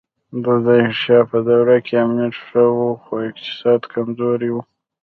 د ظاهر شاه په دوره کې امنیت ښه و خو اقتصاد کمزوری و